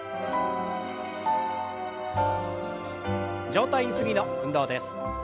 上体ゆすりの運動です。